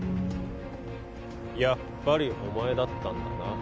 やっぱりお前だったんだな